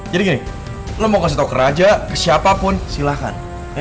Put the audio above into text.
jadi gini lo mau kasih tau ke raja ke siapapun silahkan